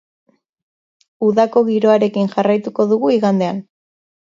Udako giroarekin jarraituko dugu igandean.